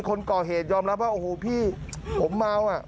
คนก่อเหตุยอมรับว่าโอ้โหพี่ผมเมาอ่ะ